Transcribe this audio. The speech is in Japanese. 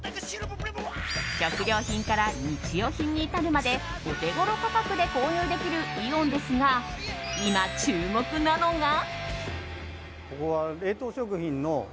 食料品から日用品に至るまでオテゴロ価格で購入できるイオンですが今、注目なのが。